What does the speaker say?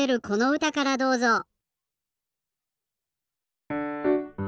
このうたからどうぞ。